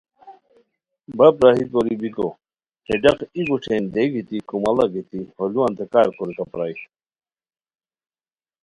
باپ راہی کوری بیکو ہے ڈاق ای گوݯھین دے گیتی کوماڑا گیتی ہو لوانتے کار کوریکا پرائے